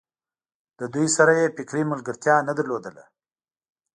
له دوی سره یې فکري ملګرتیا نه لرله.